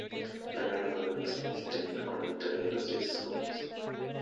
La guerra duró diez años y terminó con la victoria de los dioses jóvenes.